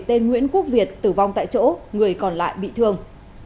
tên nguyễn quốc việt tử vong tại chỗ người còn lại bị thương